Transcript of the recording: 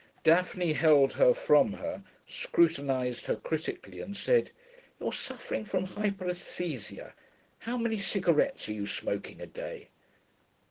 Daphne held her from her, scrutinised her critically, and said, 'You're suffering from hyperæsthesia. How many cigarettes are you smoking a day?'